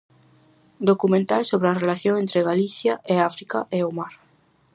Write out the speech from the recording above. Documental sobre a relación entre Galicia e África e o mar.